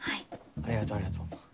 ありがとうありがとう。